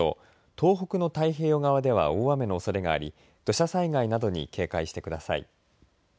東北の太平洋側では大雨のおそれがあり土砂災害などに警戒してください。